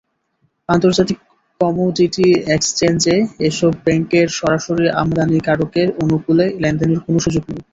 আন্তর্জাতিক কমোডিটি এক্সচেঞ্জে এসব ব্যাংকের সরাসরি আমদানিকারকের অনুকূলে লেনদেনের কোনো সুযোগ নেই।